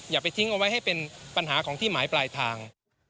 อย่าไปทิ้งเอาไว้ให้เป็นปัญหาของที่หมายปลายทาง